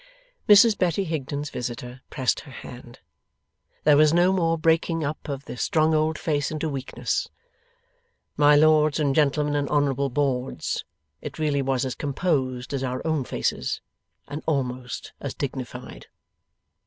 Mrs Betty Higden's visitor pressed her hand. There was no more breaking up of the strong old face into weakness. My Lords and Gentlemen and Honourable Boards, it really was as composed as our own faces, and almost as dignified.